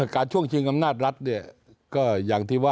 การช่วงชิงอำนาจรัฐ